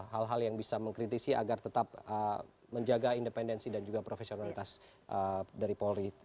hal hal yang bisa mengkritisi agar tetap menjaga independensi dan juga profesionalitas dari polri